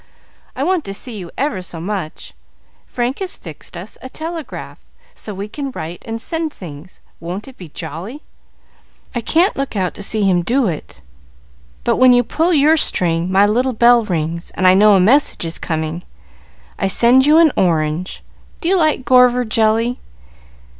I want to see you ever so much. Frank has fixed us a telegraph, so we can write and send things. Won't it be jolly! I can't look out to see him do it; but, when you pull your string, my little bell rings, and I know a message is coming. I send you an orange. Do you like gorver jelly?